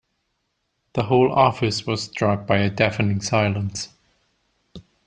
The whole office was struck by a deafening silence.